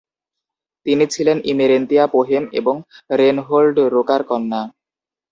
তিনি ছিলেন ইমেরেন্তিয়া পোহেম এবং রেনহোল্ড রোকার কন্যা।